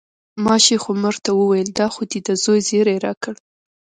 ما شیخ عمر ته وویل دا خو دې د زوی زیری راکړ.